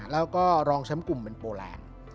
แล้วก็รองแชมป์กลุ่มเป็นโปแลนด์